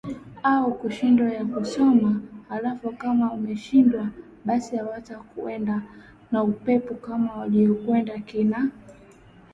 au kushindwa kuyasoma halafu kama wameshindwa basi watakwenda na upepo kama waliokwenda kina mubarak